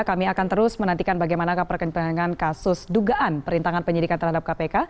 kami akan terus menantikan bagaimana perkembangan kasus dugaan perintangan penyidikan terhadap kpk